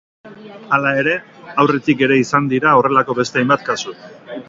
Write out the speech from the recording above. Hala ere, aurretik ere izan dira horrelako beste hainbat kasu.